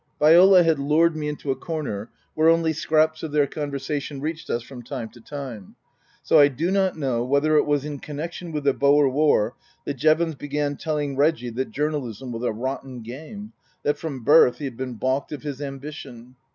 Viola had lured me into a corner where only scraps of their conversation reached us from time to time. So I do not know whether it was in connection with the Boer War that Jevons began telling Reggie that journalism was a rotten game ; that from birth he had been baulked of his ambition.